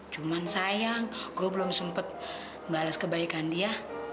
cuman sayang gua belum sempet bales kebaikan dia